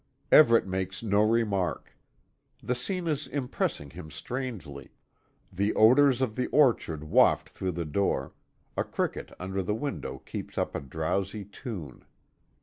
Everet makes no remark. The scene is impressing him strangely. The odors of the orchard waft through the door; a cricket under the window keeps up a drowsy tune.